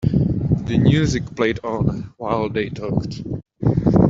The music played on while they talked.